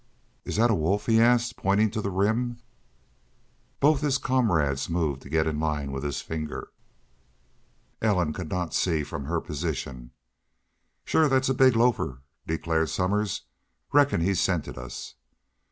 "Is that a wolf?" he asked, pointing to the Rim. Both his comrades moved to get in line with his finger. Ellen could not see from her position. "Shore thet's a big lofer," declared Somers. "Reckon he scented us."